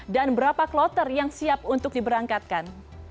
dan berapa kloter yang siap untuk diberangkatkan